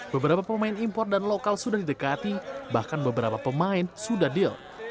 beberapa pemain impor dan lokal sudah didekati bahkan beberapa pemain sudah deal